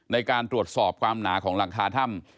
ในการตรวจสอบความหนาของหลังคาถ้ำ